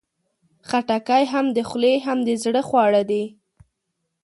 خټکی هم د خولې، هم د زړه خواړه دي.